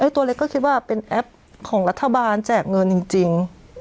ตัวเล็กก็คิดว่าเป็นแอปของรัฐบาลแจกเงินจริง